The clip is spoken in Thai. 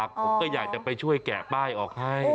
ผมก็อยากจะไปช่วยแกะป้ายออกให้